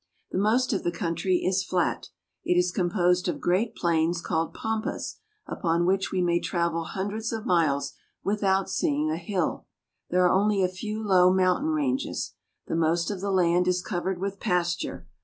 The most of the country is fiat. It is composed of great plains called pampas, upon which we may travel hundreds of miles without seeing a hill. There are only a few low mountain ranges. The most of the land is covered with pasture.